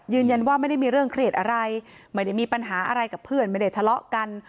ยืนยันว่าไม่ได้มีเรื่องเครียดอะไรไม่ได้มีปัญหาอะไรกับเพื่อนไม่ได้ทะเลาะกัน